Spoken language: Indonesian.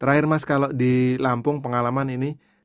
terakhir mas kalau di lampung pengalaman ini